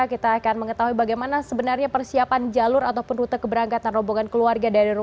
kita akan mengetahui bagaimana sebenarnya persiapan jalur ataupun rute keberangkatan rombongan keluarga dari rumah